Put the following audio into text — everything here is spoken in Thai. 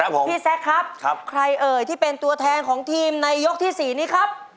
พี่แซคครับใครเอ่ยที่เป็นตัวแทนของทีมในยกที่๔นี้ครับ